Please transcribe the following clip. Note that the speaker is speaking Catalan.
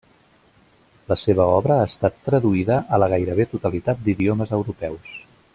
La seva obra ha estat traduïda a la gairebé totalitat d'idiomes europeus.